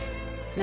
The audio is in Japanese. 何？